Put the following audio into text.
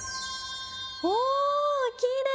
おきれい。